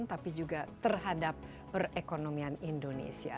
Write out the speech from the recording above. tapi juga terhadap perekonomian indonesia